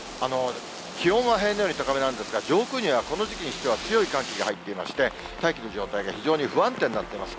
気温は平年より高めなんですが、上空にはこの時期にしては強い寒気が入っていまして、大気の状態が非常に不安定になっています。